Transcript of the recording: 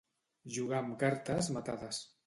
Jugar amb cartes matades.